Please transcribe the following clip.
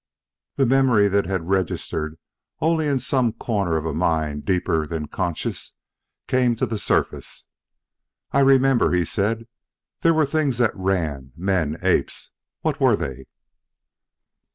The memory that had registered only in some corner of a mind deeper than the conscious, came to the surface. "I remember," he said. "There were things that ran men apes what were they?"